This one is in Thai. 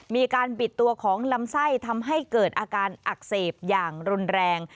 มีการบิดตัวของลำไส้ทำให้เกิดอาการอักเสบอย่างรุนแรง